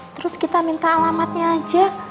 terus kita minta alamatnya aja